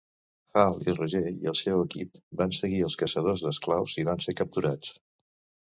Hal i Roger i el seu equip van seguir els caçadors d'esclaus i van ser capturats.